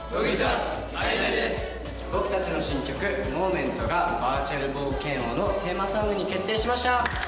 僕たちの新曲『Ｍｏｍｅｎｔ』がバーチャル冒険王のテーマソングに決定しました。